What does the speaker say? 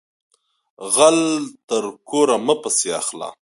غل تر کوره مه پسی اخله